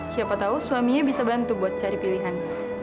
siapa tahu suaminya bisa bantu buat cari pilihan